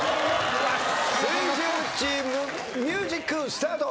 水１０チームミュージックスタート。